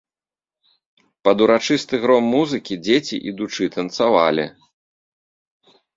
Пад урачысты гром музыкі дзеці, ідучы, танцавалі.